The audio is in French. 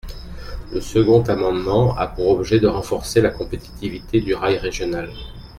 Le second amendement a pour objet de renforcer la compétitivité du rail régional.